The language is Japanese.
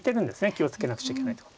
気を付けなくちゃいけないとこ。